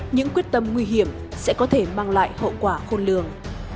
những quyết tâm nguy hiểm sẽ có thể mang lại hậu quả khôn lường